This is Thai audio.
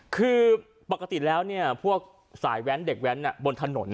คือปกติแล้วพวกสายแว้นเด็กแว้นบนถนน